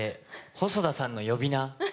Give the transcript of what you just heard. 細田さんの呼び名。